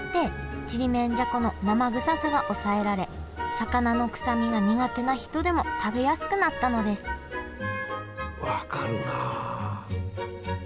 魚の臭みが苦手な人でも食べやすくなったのです分かるなあ。